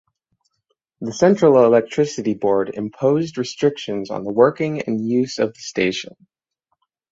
The Central Electricity Board imposed restrictions on the working and use of the station.